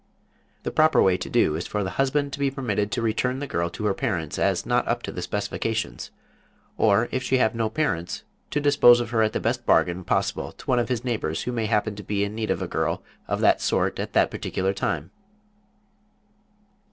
The proper way to do is for the husband to be permitted to return the girl to her parents as not up to the specifications, or if she have no parents to dispose of her at the best bargain possible to one of his neighbors who may happen to be in need of a girl of that sort at that particular time....